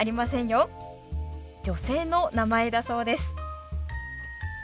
女性の名前だそうです。